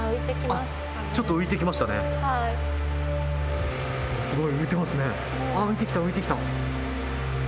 あっ浮いてきた浮いてきた。